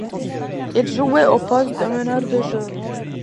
Il jouait au poste de meneur de jeu.